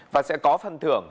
và sẽ có phần thưởng